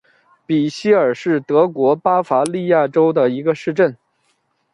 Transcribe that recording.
比希尔是德国巴伐利亚州的一个市镇。